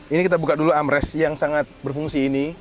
ini kita buka dulu amres yang sangat berfungsi ini